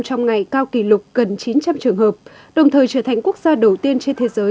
trong ngày cao kỷ lục gần chín trăm linh trường hợp đồng thời trở thành quốc gia đầu tiên trên thế giới